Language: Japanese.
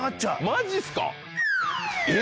マジっすか⁉え？